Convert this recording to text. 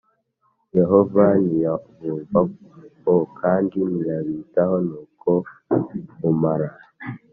Yehova ntiyabumva o kandi ntiyabitaho nuko mumara